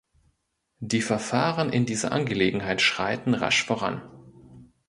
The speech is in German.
Die Verfahren in dieser Angelegenheit schreiten rasch voran.